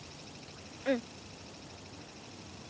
うん。